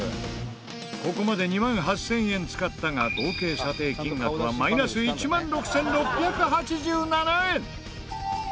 ここまで２万８０００円使ったが合計査定金額はマイナス１万６６８７円！